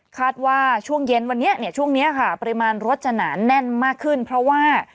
ว่าช่วงเย็นวันนี้เนี่ยช่วงนี้ค่ะปริมาณรถจะหนาแน่นมากขึ้นเพราะว่า